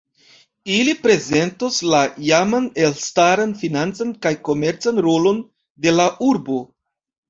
Ili prezentos la iaman elstaran financan kaj komercan rolon de la urbo.